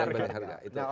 jangan penting harga